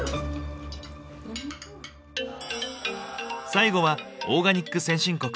最後はオーガニック先進国